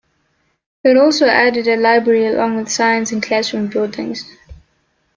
It also added a library along with science and classroom buildings.